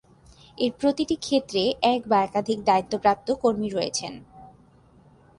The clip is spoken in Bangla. এর প্রতিটি ক্ষেত্রে এক বা একাধিক দায়িত্বপ্রাপ্ত কর্মী রয়েছেন।